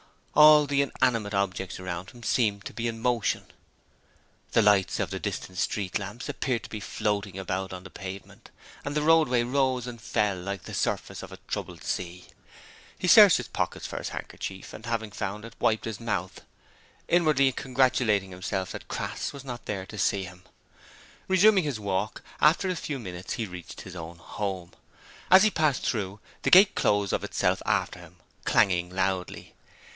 All the inanimate objects around him seemed to be in motion. The lights of the distant street lamps appeared to be floating about the pavement and the roadway rose and fell like the surface of a troubled sea. He searched his pockets for his handkerchief and having found it wiped his mouth, inwardly congratulating himself that Crass was not there to see him. Resuming his walk, after a few minutes he reached his own home. As he passed through, the gate closed of itself after him, clanging loudly.